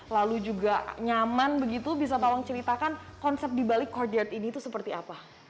lalu juga nyaman begitu bisa pak wong ceritakan konsep di balik courtyard ini itu seperti apa